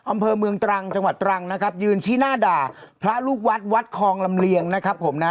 อำเภอเมืองตรังจังหวัดตรังนะครับยืนชี้หน้าด่าพระลูกวัดวัดคลองลำเลียงนะครับผมนะ